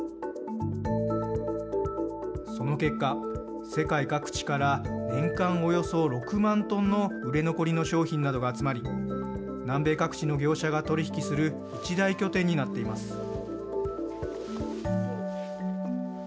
その結果、世界各地から年間およそ６万トンの売れ残りの商品などが集まり南米各地の業者が取り引きする一大拠点になっています。